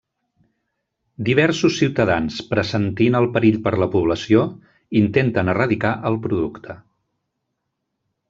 Diversos ciutadans, pressentint el perill per la població, intenten erradicar el producte.